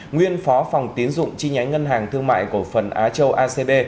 nguyên phó phòng tiến dụng chi nhánh ngân hàng thương mại cổ phần á châu acb